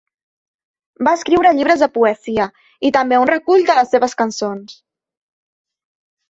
Va escriure llibres de poesia i també un recull de les seves cançons.